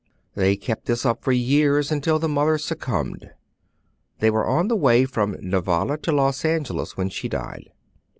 They kept this up for years until the mother succumbed. They were on the way from Nevada to Los Angeles when she died.